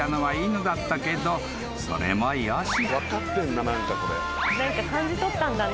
［それもよし］